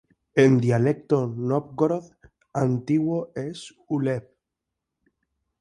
En dialecto Novgorod antiguo es "Uleb".